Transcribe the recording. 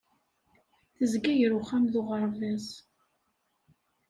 Tezga gar uxxam d uɣerbaz.